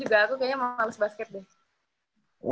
kayaknya aku malas basket deh